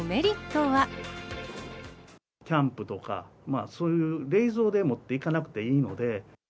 キャンプとか、そういう冷蔵で持っていかなくていいので。